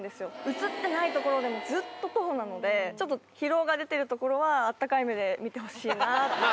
映ってないところでもずっと徒歩なのでちょっと疲労が出てるところはあったかい目で見てほしいな。